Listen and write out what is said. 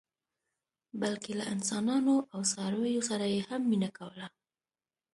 بلکې له انسانانو او څارویو سره یې هم مینه کوله.